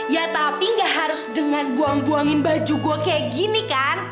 ya tapi gak harus dengan buang buangin baju gue kayak gini kan